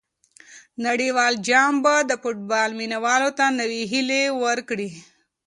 نړیوال جام به د فوټبال مینه والو ته نوې هیلې ورکړي.